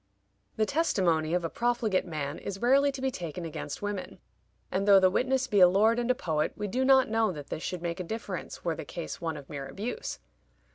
The testimony of a profligate man is rarely to be taken against women; and though the witness be a lord and a poet, we do not know that this should make a difference were the case one of mere abuse.